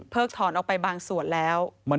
ถอนออกไปบางส่วนแล้ว